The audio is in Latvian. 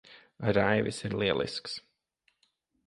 Raivis ir lielisks.